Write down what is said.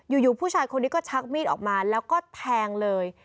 อยู่ผู้ชายคนนี้ก็ชักมีดออกมาแล้วก็แทงเลย